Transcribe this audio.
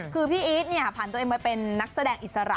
คือพี่อีทผ่านตัวเองมาเป็นนักแสดงอิสระ